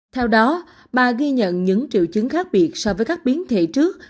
theo đó bà ghi nhận những triệu chứng khác biệt so với các biến thể trước